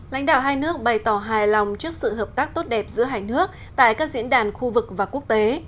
lãnh đạo hai nước bày tỏ hài lòng trước sự hợp tác tốt đẹp giữa hai nước tại các diễn đàn khu vực và quốc tế